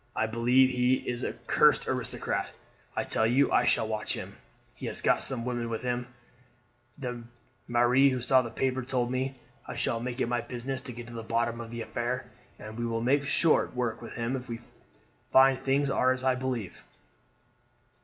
I believe he is a cursed aristocrat. I tell you I shall watch him. He has got some women with him; the maire, who saw the paper, told me so. I shall make it my business to get to the bottom of the affair, and we will make short work with him if we find things are as I believe."